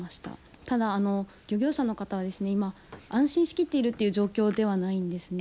ただ、漁業者の方は今安心しきっているという状況ではないんですね。